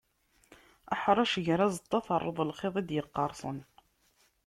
Ḥrec, ger aẓeṭṭa. Terreḍ lxiḍ i d-yeqqarsen.